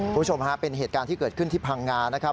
คุณผู้ชมฮะเป็นเหตุการณ์ที่เกิดขึ้นที่พังงานะครับ